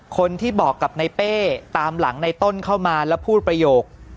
คนที่บอกกับในเป้ตามหลังในต้นเข้ามาแล้วพูดประโยค